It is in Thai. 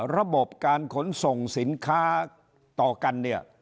ระบบการขนส่งสินค้าต่อกันเนี่ย